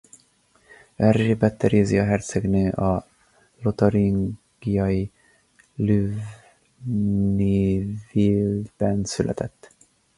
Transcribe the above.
Erzsébet Terézia hercegnő a lotaringiai Lunéville-ben született.